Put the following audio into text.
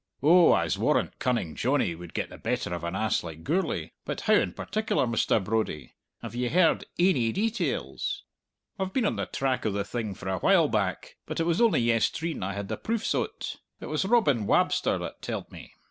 "Oh, I'se warrant Cunning Johnny would get the better of an ass like Gourlay. But how in particular, Mr. Brodie? Have ye heard ainy details?" "I've been on the track o' the thing for a while back, but it was only yestreen I had the proofs o't. It was Robin Wabster that telled me.